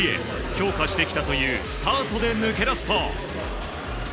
強化してきたというスタートで抜け出すと。